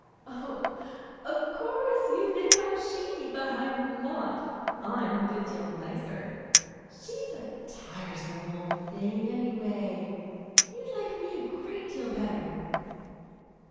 "Oh, of course you think I'm she; but I'm not. I'm a good deal nicer. She's a tiresome old thing, anyway. You'd like me a great deal better."